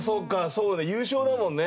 そうね優勝だもんね。